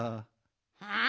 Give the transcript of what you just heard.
ああ？